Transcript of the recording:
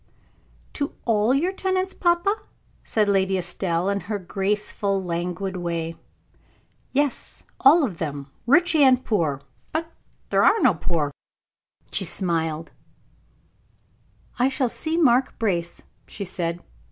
"To all your tenants, papa?" said Lady Estelle, in her graceful, languid way. "Yes, all of them rich and poor; but then there are no poor." She smiled. "I shall see Mark Brace," she said.